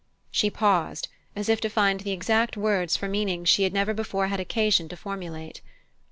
She paused, as if to find the exact words for meanings she had never before had occasion to formulate.